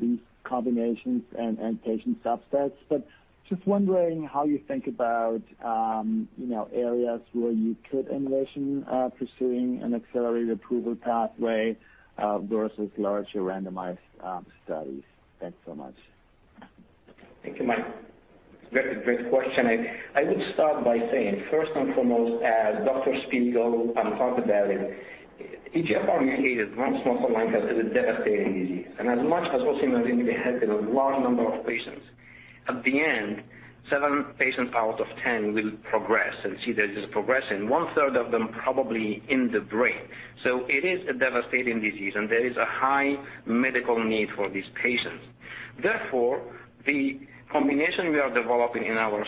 these combinations and patient subsets, but just wondering how you think about, you know, areas where you could envision pursuing an accelerated approval pathway versus larger randomized studies. Thanks so much. Thank you, Mike. Great question. I would start by saying first and foremost, as Dr. Spigel talked about it, EGFR mutated non-small cell lung cancer is a devastating disease. As much as osimertinib has helped a large number of patients, at the end, seven patients out of 10 will progress and see this progressing, one-third of them probably in the brain. It is a devastating disease, and there is a high medical need for these patients. Therefore, the combination we are developing in our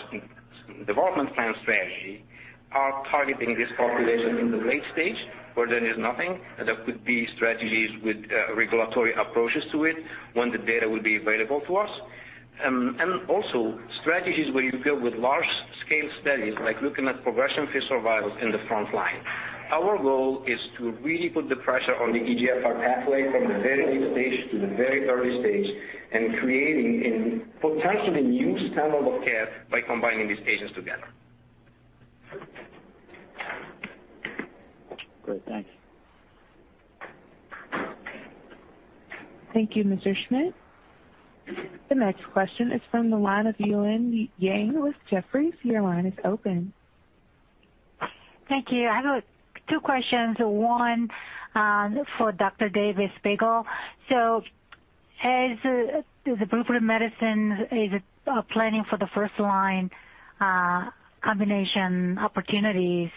development plan strategy are targeting this population in the late stage where there is nothing. There could be strategies with regulatory approaches to it when the data will be available to us. Also strategies where you go with large-scale studies, like looking at progression-free survival in the front line. Our goal is to really put the pressure on the EGFR pathway from the very late stage to the very early stage and creating a potentially new standard of care by combining these agents together. Great. Thanks. Thank you, Mr. Schmidt. The next question is from the line of Yilin Yang with Jefferies. Your line is open. Thank you. I have two questions, one for Dr. David Spigel. As Blueprint Medicines is planning for the first-line combination opportunities,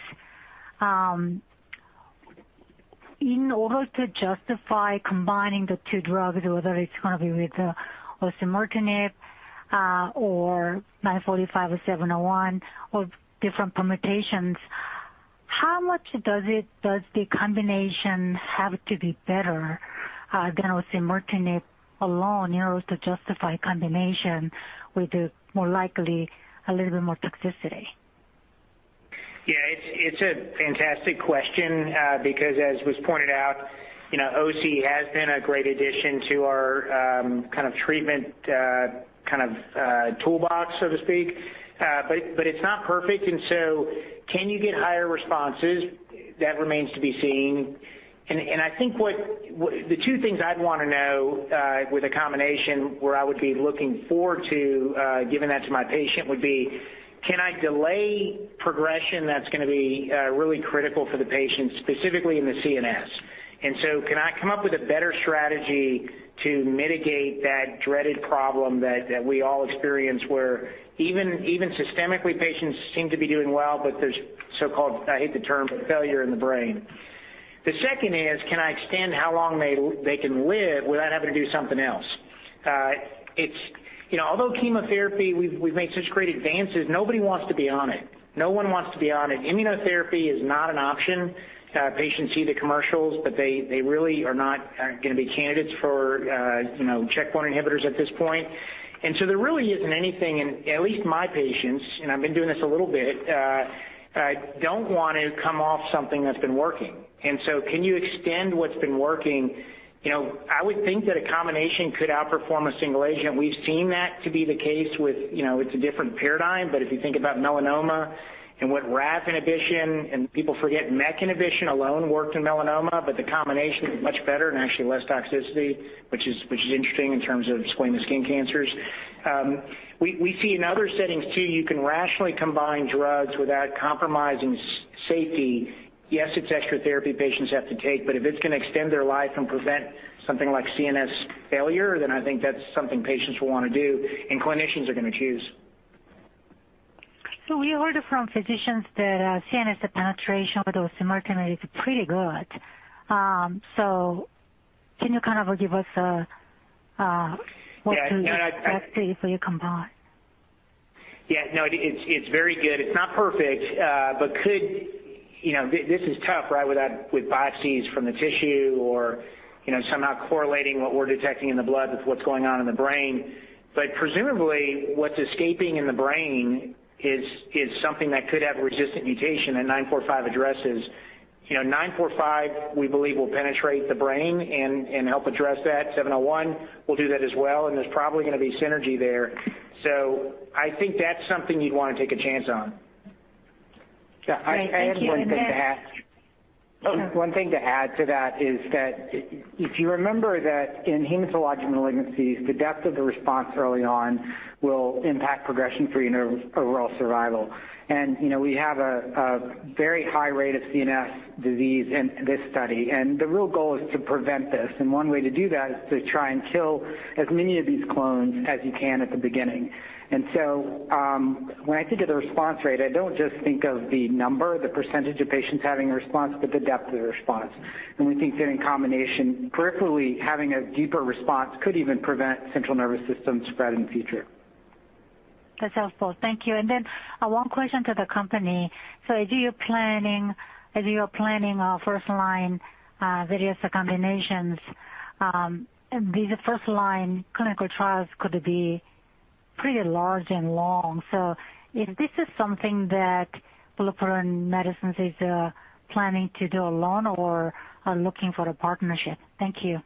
in order to justify combining the two drugs, whether it's going to be with the osimertinib or BLU-945 or BLU-701 or different permutations, how much does the combination have to be better than osimertinib alone in order to justify combination with the more likely a little bit more toxicity? It's a fantastic question, because as was pointed out, you know, osimertinib has been a great addition to our kind of treatment toolbox, so to speak. But it's not perfect, and so can you get higher responses? That remains to be seen. I think what the two things I'd wanna know with a combination where I would be looking forward to giving that to my patient would be, can I delay progression that's gonna be really critical for the patient, specifically in the CNS? Can I come up with a better strategy to mitigate that dreaded problem that we all experience where even systemically, patients seem to be doing well, but there's so-called, I hate the term, but failure in the brain. The second is, can I extend how long they can live without having to do something else? You know, although chemotherapy, we've made such great advances, nobody wants to be on it. No one wants to be on it. Immunotherapy is not an option. Patients see the commercials, but they really are not gonna be candidates for, you know, checkpoint inhibitors at this point. There really isn't anything. At least my patients, and I've been doing this a little bit, don't want to come off something that's been working. Can you extend what's been working? You know, I would think that a combination could outperform a single agent. We've seen that to be the case with, you know, it's a different paradigm, but if you think about melanoma and what RAF inhibition, and people forget, MEK inhibition alone worked in melanoma, but the combination is much better and actually less toxicity, which is interesting in terms of squamous skin cancers. We see in other settings too, you can rationally combine drugs without compromising safety. Yes, it's extra therapy patients have to take, but if it's gonna extend their life and prevent something like CNS failure, then I think that's something patients will wanna do and clinicians are gonna choose. We heard from physicians that CNS penetration with osimertinib is pretty good. Can you kind of give us? Yeah. What to expect for your compound? Yeah, no, it's very good. It's not perfect, but could. You know, this is tough, right, with biopsies from the tissue or, you know, somehow correlating what we're detecting in the blood with what's going on in the brain. Presumably, what's escaping in the brain is something that could have a resistant mutation that 945 addresses. You know, 945, we believe, will penetrate the brain and help address that. 701 will do that as well, and there's probably gonna be synergy there. I think that's something you'd wanna take a chance on. Great. Thank you. Then. Yeah, I had one thing to add. Sure. One thing to add to that is that if you remember that in hematologic malignancies, the depth of the response early on will impact progression free and overall survival. You know, we have a very high rate of CNS disease in this study, and the real goal is to prevent this. One way to do that is to try and kill as many of these clones as you can at the beginning. When I think of the response rate, I don't just think of the number, the percentage of patients having a response, but the depth of the response. We think that in combination, peripherally, having a deeper response could even prevent central nervous system spread in the future. That's helpful. Thank you. Then, one question to the company. As you are planning first-line various combinations, the first-line clinical trials could be pretty large and long. If this is something that Blueprint Medicines is planning to do alone or are looking for a partnership? Thank you.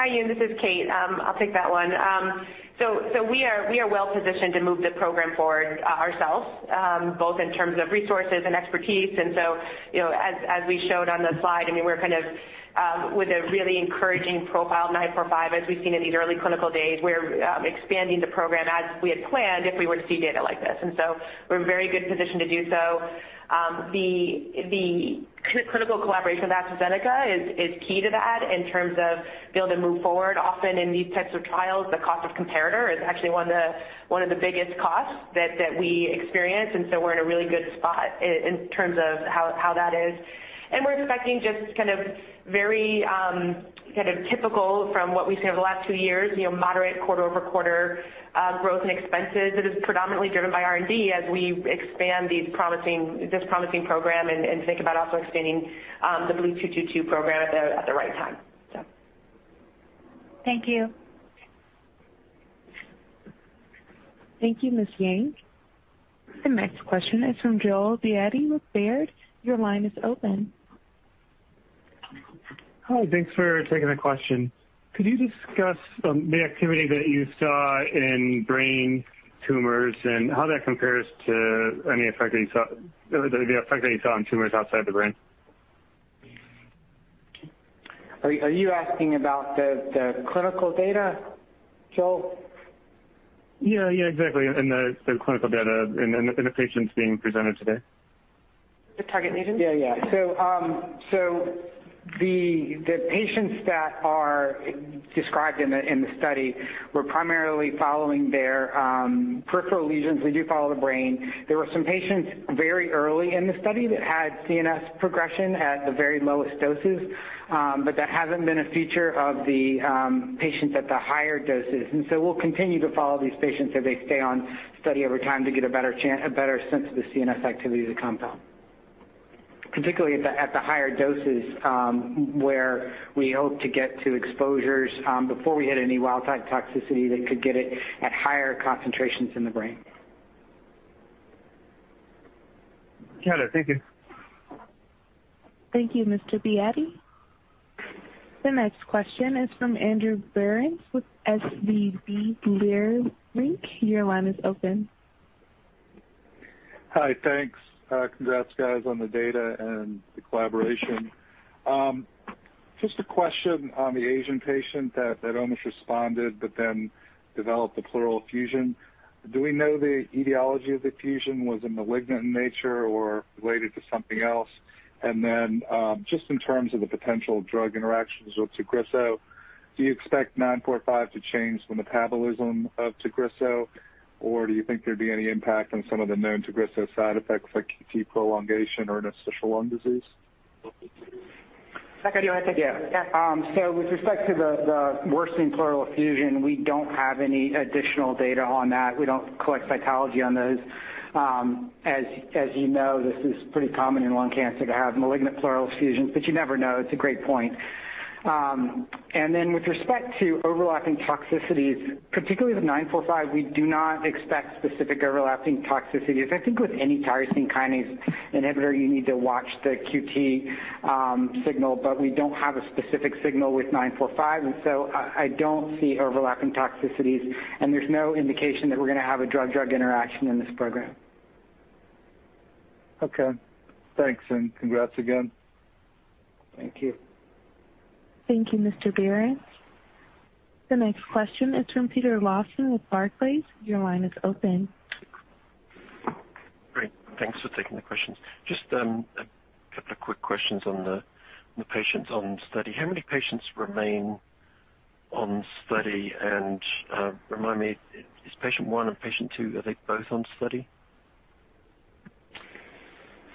Hi, Yilin. This is Kate. I'll take that one. So we are well positioned to move the program forward ourselves, both in terms of resources and expertise. You know, as we showed on the slide, I mean, we're kind of with a really encouraging profile of BLU-945 as we've seen in these early clinical data. We're expanding the program as we had planned if we were to see data like this. We're in a very good position to do so. The clinical collaboration with AstraZeneca is key to that in terms of being able to move forward. Often in these types of trials, the cost of comparator is actually one of the biggest costs that we experience, and so we're in a really good spot in terms of how that is. We're expecting just kind of typical from what we've seen over the last two years, you know, moderate quarter-over-quarter growth in expenses that is predominantly driven by R&D as we expand this promising program and think about also expanding the BLU-222 program at the right time. Thank you. Thank you, Ms. Yang. The next question is from Joel Beatty with Baird. Your line is open. Hi. Thanks for taking the question. Could you discuss the activity that you saw in brain tumors and how that compares to the effect that you saw on tumors outside the brain? Are you asking about the clinical data, Joel? Yeah. Yeah, exactly. In the clinical data in the patients being presented today. The target lesions? Yeah, yeah. The patients that are described in the study were primarily following their peripheral lesions. They do follow the brain. There were some patients very early in the study that had CNS progression at the very lowest doses, but that hasn't been a feature of the patients at the higher doses. We'll continue to follow these patients as they stay on study over time to get a better sense of the CNS activity of the compound, particularly at the higher doses, where we hope to get to exposures before we hit any wild-type toxicity that could get it at higher concentrations in the brain. Got it. Thank you. Thank you, Mr. Beatty. The next question is from Andrew Berens with SVB Leerink. Your line is open. Hi. Thanks. Congrats guys on the data and the collaboration. Just a question on the Asian patient that almost responded but then developed a pleural effusion. Do we know the etiology of the effusion was a malignant in nature or related to something else? And then, just in terms of the potential drug interactions with Tagrisso, do you expect BLU-945 to change the metabolism of Tagrisso, or do you think there'd be any impact on some of the known Tagrisso side effects like QT prolongation or interstitial lung disease? Becker, do you wanna take that? Yeah. With respect to the worsening pleural effusion, we don't have any additional data on that. We don't collect pathology on those. As you know, this is pretty common in lung cancer to have malignant pleural effusions, but you never know. It's a great point. With respect to overlapping toxicities, particularly with BLU-945, we do not expect specific overlapping toxicities. I think with any tyrosine kinase inhibitor, you need to watch the QT signal, but we don't have a specific signal with BLU-945, and I don't see overlapping toxicities, and there's no indication that we're gonna have a drug-drug interaction in this program. Okay. Thanks, and congrats again. Thank you. Thank you, Mr. Berens. The next question is from Peter Lawson with Barclays. Your line is open. Great. Thanks for taking the questions. Just a couple of quick questions on the patients on study. How many patients remain on study? Remind me, is patient one and patient two, are they both on study?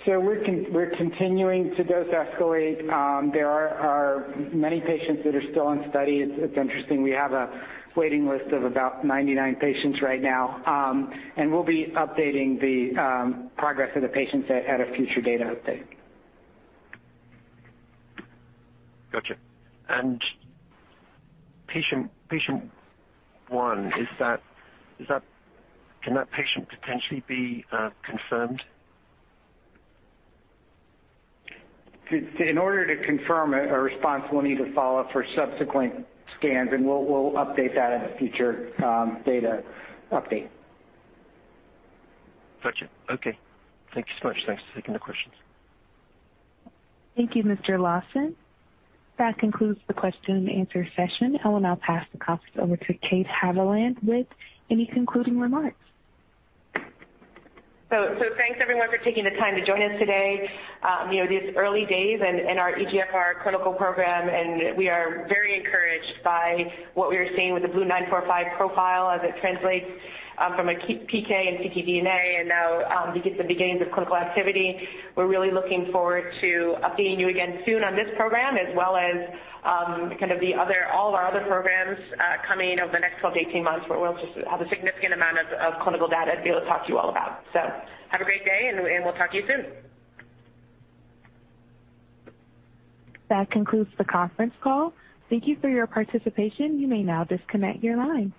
We're continuing to dose escalate. There are many patients that are still on study. It's interesting, we have a waiting list of about 99 patients right now. We'll be updating the progress of the patients at a future data update. Gotcha. Patient one, can that patient potentially be confirmed? In order to confirm a response, we'll need to follow up for subsequent scans, and we'll update that at a future data update. Gotcha. Okay. Thank you so much. Thanks for taking the questions. Thank you, Mr. Lawson. That concludes the question and answer session. I will now pass the conference over to Kate Haviland with any concluding remarks. Thanks everyone for taking the time to join us today. You know, it is early days in our EGFR clinical program, and we are very encouraged by what we are seeing with the BLU-945 profile as it translates from PK and ctDNA and now we get the beginnings of clinical activity. We're really looking forward to updating you again soon on this program as well as kind of all of our other programs coming over the next 12-18 months, where we'll just have a significant amount of clinical data to be able to talk to you all about. Have a great day and we'll talk to you soon. That concludes the conference call. Thank you for your participation. You may now disconnect your lines.